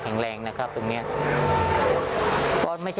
เพราะถ้าไม่ฉีดก็ไม่ได้